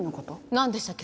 なんでしたっけ？